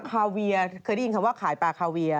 คาเวียเคยได้ยินคำว่าขายปลาคาเวีย